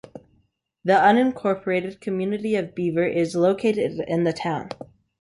The unincorporated community of Beaver is located in the town.